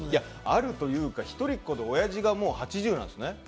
あるというか一人っ子で、おやじがもう８０なんですね。